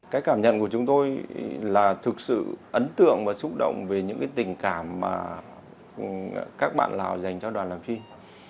cái cảm nhận của chúng tôi là thực sự ấn tượng và xúc động về những cái tình cảm mà các bạn lào dành cho đoàn làm phim